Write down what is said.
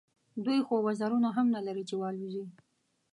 دوی خو وزرونه هم نه لري چې والوزي.